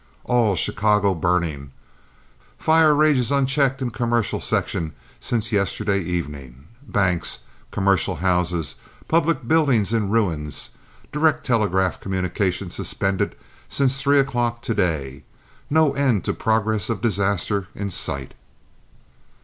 ALL CHICAGO BURNING FIRE RAGES UNCHECKED IN COMMERCIAL SECTION SINCE YESTERDAY EVENING. BANKS, COMMERCIAL HOUSES, PUBLIC BUILDINGS IN RUINS. DIRECT TELEGRAPHIC COMMUNICATION SUSPENDED SINCE THREE O'CLOCK TO DAY. NO END TO PROGRESS OF DISASTER IN SIGHT.